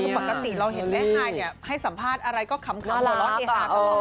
ปกติเราเห็นแม่ฮายเนี้ยให้สัมภาษณ์อะไรก็ขำคำหล่อเฮฮาต่อมา